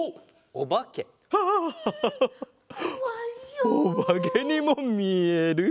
おばけにもみえる。